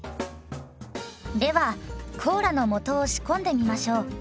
ではコーラの素を仕込んでみましょう。